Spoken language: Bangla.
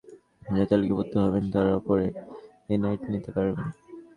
জানুয়ারিতে নতুন ভোটার হিসেবে যাঁরা তালিকাভুক্ত হবেন, তাঁরাও পরে এনআইডি নিতে পারবেন।